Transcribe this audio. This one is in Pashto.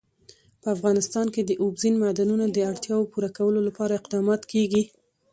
په افغانستان کې د اوبزین معدنونه د اړتیاوو پوره کولو لپاره اقدامات کېږي.